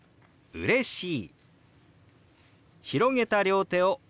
「うれしい」。